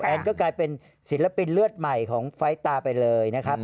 แอนก็กลายเป็นศิลปินเลือดใหม่ของไฟล์ตาไปเลยนะครับ